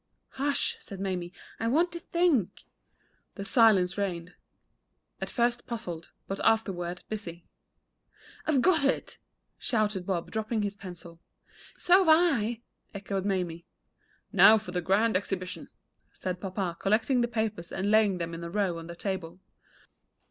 "Hush!" said Mamie; "I want to think." Then silence reigned at first puzzled, but afterward busy. "I've got it!" shouted Bob, dropping his pencil. "So've I," echoed Mamie. "Now for a grand exhibition!" said papa, collecting the papers, and laying them in a row on the table.